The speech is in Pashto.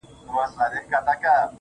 ستا سترگي دي_